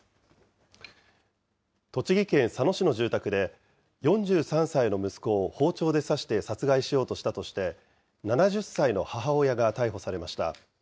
栃木県佐野市の住宅で、４３歳の息子を包丁で刺して殺害しようとしたとして、７０歳の母親が逮捕されました。